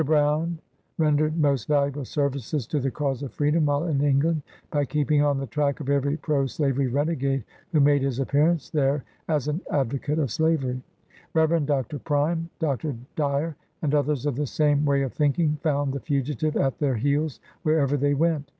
Brown rendered most valuable services to the cause of freedom while in England, by keeping on the track of every pro slavery renegade who made his ap pearance there as an advocate of slavery. Rev. Dr. Prime, Dr. Dyer, and others of the same way of think ing, found the fugitive at their heels wherever they went.